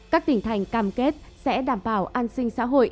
các tỉnh thành cam kết sẽ đảm bảo an sinh xã hội